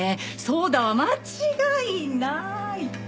そうだわ間違いない！